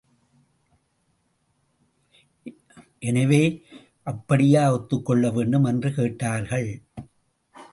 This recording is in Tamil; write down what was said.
எனவே, அப்படியே ஒத்துக்கொள்ள வேண்டும் என்று கூறிவிட்டார்கள்.